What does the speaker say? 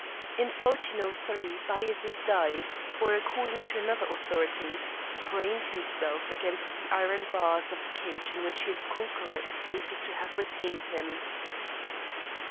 In 1403 Bajaret died, or, according to another authority, brained himself against the iron bars of the cage in which his conqueror is stated to have retained him.